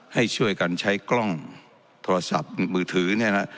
ให้ช่วยกันใช้กล้องโทรศัพท์มือถือเนี่ยนะ